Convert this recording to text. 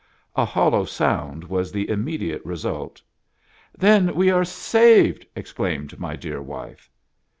A hollow sound was the immediate result. " Then we are saved !" exclaimed my dear wife.